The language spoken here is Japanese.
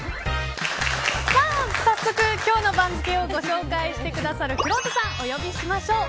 早速今日の番付をご紹介してくださるくろうとさんをお呼びしましょう。